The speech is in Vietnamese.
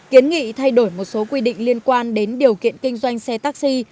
kiến nghị thay đổi một số quy định liên quan đến điều kiện kinh doanh xe taxi